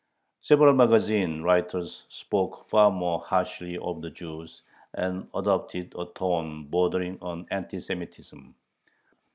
Several magazine writers spoke far more harshly of the Jews, and adopted a tone bordering on anti Semitism.